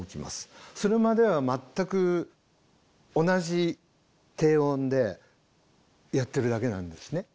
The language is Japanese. それまでは全く同じ低音でやってるだけなんですね。